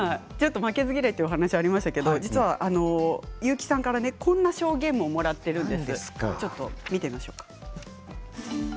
負けず嫌いというお話がありましたけれども結城さんからこんな証言ももらっているんです。